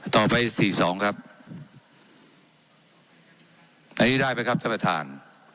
ต่อไปสี่สองครับอันนี้ได้ไหมครับท่านประธาน